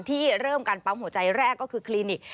ที่เริ่มการปั๊มหัวใจแรกก็คือคลินิก